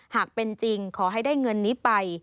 หากเป็นจริงขอให้ได้เงินนี้ไป